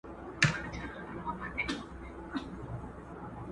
د ننګ په لاره کي ټینګ ودرېد